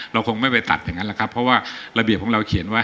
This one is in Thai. เราคงไม่ไปตัดอย่างนั้นแหละครับเพราะว่าระเบียบของเราเขียนไว้